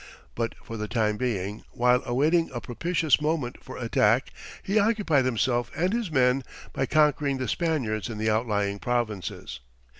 But for the time being, while awaiting a propitious moment for attack, he occupied himself and his men by conquering the Spaniards in the outlying provinces.